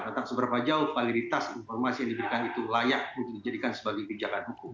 tentang seberapa jauh validitas informasi yang diberikan itu layak untuk dijadikan sebagai pijakan hukum